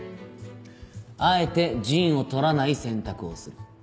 あえて陣を取らない選択をする。